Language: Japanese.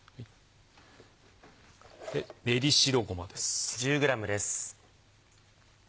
練り白ごまです。